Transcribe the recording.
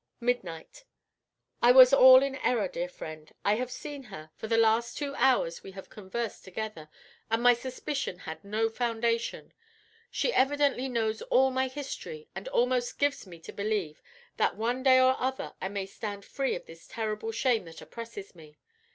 Midnight. I was all in error, dear friend. I have seen her; for the last two hours we have conversed together, and my suspicion had no foundation. She evidently knows all my history, and almost gives me to believe that one day or other I may stand free of this terrible shame that oppresses me.